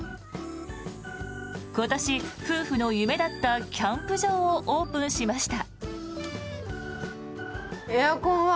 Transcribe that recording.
今年夫婦の夢だったキャンプ場をオープンしました。